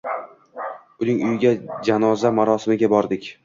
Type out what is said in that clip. Uning uyiga janoza marosimiga bordik